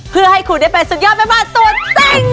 เพื่อให้คุณได้เป็นสุดยอดแม่บ้านตัวจริง